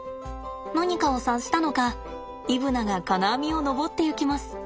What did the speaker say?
何かを察したのかイブナが金網を登っていきます。